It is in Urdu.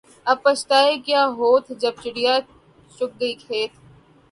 اب بچھتائے کیا ہوت جب چڑیا چگ گئی کھیت